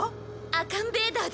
アカンベーダー！？